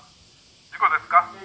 事故ですか？」